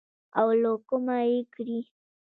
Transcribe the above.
او له کومه يې کړې.